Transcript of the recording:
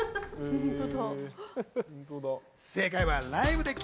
本当だ。